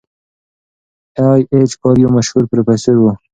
ای اېچ کار یو مشهور پروفیسور و.